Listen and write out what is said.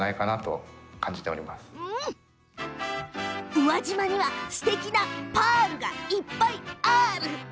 宇和島には、すてきなパールがいっぱいアール！